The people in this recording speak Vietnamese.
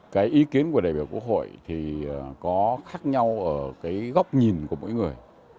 cái ý kiến của đại biểu quốc hội thì có khác nhau ở cái góc nhìn của mỗi người